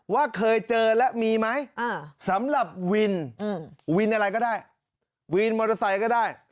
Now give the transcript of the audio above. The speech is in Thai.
ว่าเคยเจอแล้วมีไหมสำหรับวินวินอะไรก็ได้วินมอเตอร์ไซค์ก็ได้